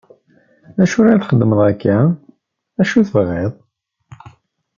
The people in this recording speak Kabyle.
Acu la txeddmeḍ akka? acu tebɣiḍ?